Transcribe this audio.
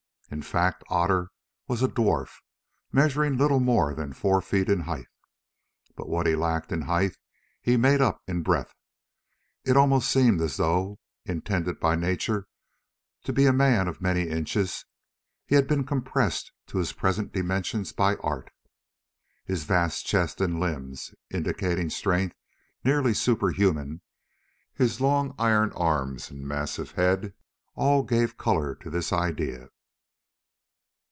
In fact Otter was a dwarf, measuring little more than four feet in height. But what he lacked in height he made up in breadth; it almost seemed as though, intended by nature to be a man of many inches, he had been compressed to his present dimensions by art. His vast chest and limbs, indicating strength nearly superhuman, his long iron arms and massive head, all gave colour to this idea.